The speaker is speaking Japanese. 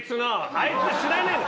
あいつ知らねえんだ！